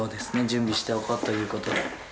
準備しておこうということで。